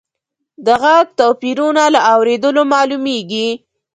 د غږ توپیرونه له اورېدلو معلومیږي.